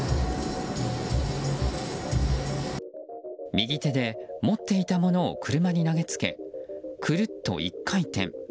右手で持っていたものを車に投げつけ、くるっと１回転。